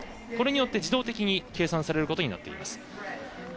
これによって自動的に計算されることになっています。